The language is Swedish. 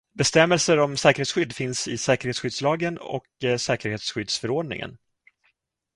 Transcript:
Bestämmelser om säkerhetsskydd finns i säkerhetsskyddslagen och säkerhetsskyddsförordningen.